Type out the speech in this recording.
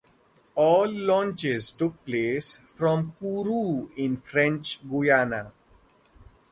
All launches took place from Kourou in French Guyana.